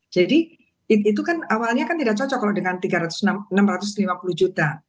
jadi itu kan awalnya kan tidak cocok kalau dengan enam ratus lima puluh juta